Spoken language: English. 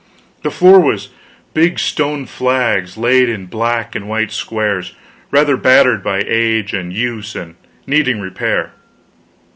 The floor was of big stone flags laid in black and white squares, rather battered by age and use, and needing repair.